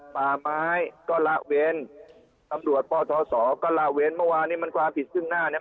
ป่าไม้ก็ละเว้นตำรวจปทศก็ละเว้นเมื่อวานนี้มันความผิดซึ่งหน้าเนี่ย